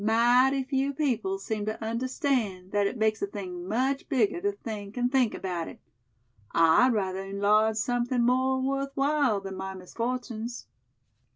Mighty few people seem to understand that it makes a thing much bigger to think and think about it. I'd rather enlarge something more worth while than my misfortunes."